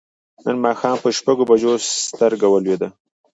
نن ماښام پر شپږو بجو سترګه ولوېده.